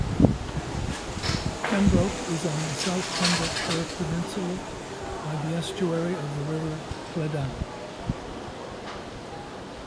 Pembroke is on the south Pembrokeshire peninsula, by the estuary of the River Cleddau.